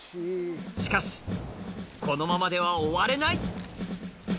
しかしこのままでは終われない！